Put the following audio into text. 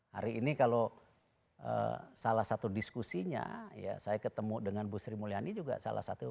hari ini kalau salah satu diskusinya ya saya ketemu dengan bu sri mulyani juga salah satu